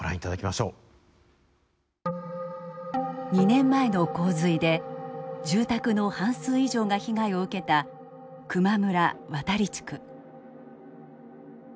２年前の洪水で住宅の半数以上が被害を受けた球磨村渡地区。